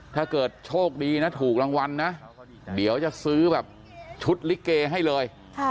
ถ้าเกิดโชคดีนะถูกรางวัลนะเดี๋ยวจะซื้อแบบชุดลิเกให้เลย